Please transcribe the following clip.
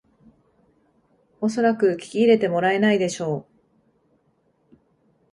おそらく聞き入れてもらえないでしょう